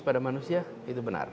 pada manusia itu benar